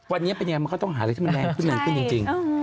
วันนี้เป็นยังไงเขาต้องหาอะไรที่มันแรงขึ้นจริง